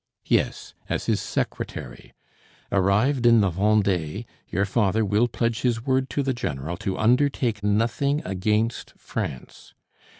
"Yes, as his secretary. Arrived in the Vendée, your father will pledge his word to the general to undertake nothing against France.